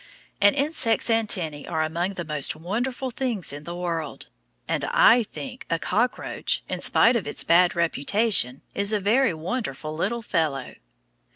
An insect's antennæ are among the most wonderful things in the world. And I think a cockroach, in spite of its bad reputation, is a very wonderful little fellow.